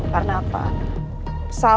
di mana itu nanti aku akan berbicara sama nino